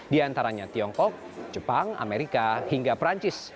di antaranya tiongkok jepang amerika hingga perancis